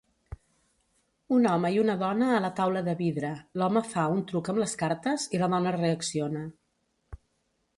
Un home i una dona a la taula de vidre, l'home fa un truc amb les cartes i la dona reacciona.